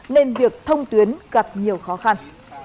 nên việc thông tuyến gặp nhiều khó khăn